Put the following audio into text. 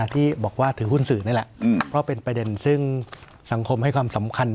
ที่บอกว่าถือหุ้นสื่อนี่แหละเพราะเป็นประเด็นซึ่งสังคมให้ความสำคัญ